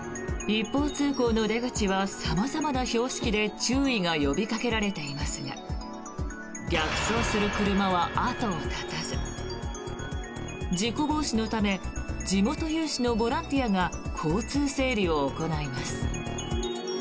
一方通行の出口は様々な標識で注意が呼びかけられていますが逆走する車は後を絶たず事故防止のため地元有志のボランティアが交通整備を行います。